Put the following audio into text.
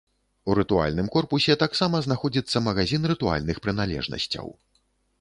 У рытуальным корпусе таксама знаходзіцца магазін рытуальных прыналежнасцяў.